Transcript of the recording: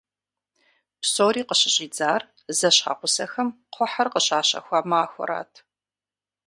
Псори къыщыщӏидзар зэщхьэгъусэхэм кхъухьыр къыщащэхуа махуэрат.